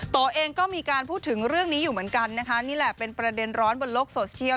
ตัวเองก็มีการพูดถึงเรื่องนี้อยู่เหมือนกันนะคะนี่แหละเป็นประเด็นร้อนบนโลกโซเชียล